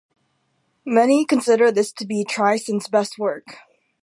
Many consider this to be Tryon's best work.